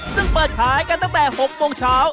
ซึ่งเปิดขายกันตั้งแต่๖โมงเช้า